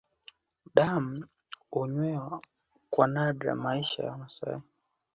Damu hunywewa kwa nadra Maisha ya Wamasai